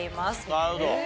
なるほど。